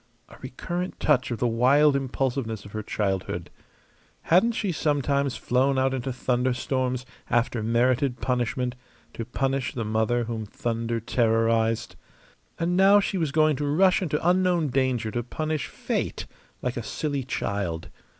A recurrent touch of the wild impulsiveness of her childhood. Hadn't she sometimes flown out into thunderstorms, after merited punishment, to punish the mother whom thunder terrorized? And now she was going to rush into unknown danger to punish Fate like a silly child!